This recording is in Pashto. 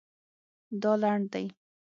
دا لنډ دی